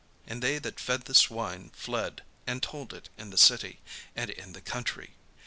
And they that fed the swine fled, and told it in the city, and in the country.